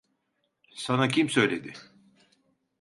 Sana kim söyledi?